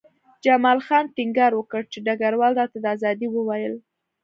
جمال خان ټینګار وکړ چې ډګروال راته د ازادۍ وویل